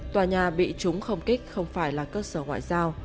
tòa nhà bị chúng không kích không phải là cơ sở ngoại giao